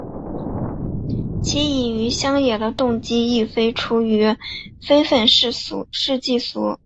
其隐于乡野的动机亦非出于非愤世嫉俗。